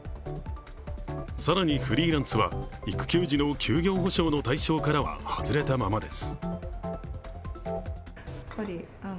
更にフリーランスは育休時の休業補償の対称からは外れたままです。